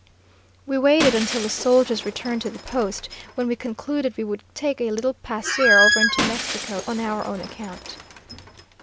We waited until the soldiers returned to the post, when we concluded we would take a little pasear over into Mexico on our own account.